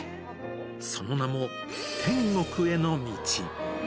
その名も、天国への道。